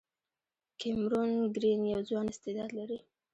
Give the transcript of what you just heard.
کیمرون ګرین یو ځوان استعداد لري.